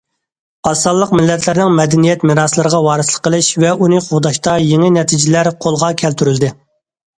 ئاز سانلىق مىللەتلەرنىڭ مەدەنىيەت مىراسلىرىغا ۋارىسلىق قىلىش ۋە ئۇنى قوغداشتا يېڭى نەتىجىلەر قولغا كەلتۈرۈلدى.